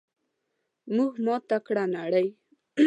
موږ ماته کړه نړۍ!